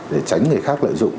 để tránh người khác lợi dụng